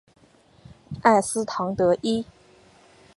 埃斯唐德伊。